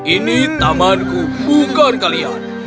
ini tamanku bukan kalian